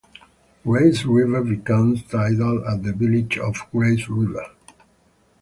Grays River becomes tidal at the village of Grays River.